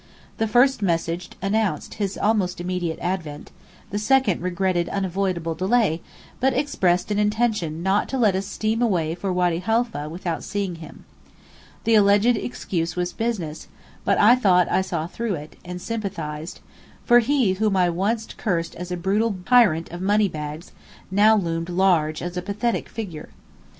The first message announced his almost immediate advent; the second regretted unavoidable delay, but expressed an intention not to let us steam away for Wady Halfa without seeing him. The excuse alleged was business, but I thought I saw through it, and sympathized; for he whom I had once cursed as a brutal tyrant of money bags now loomed large as a pathetic figure.